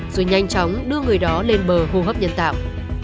rồi nhanh chóng đưa người đó lên bờ hô hấp nhân tạo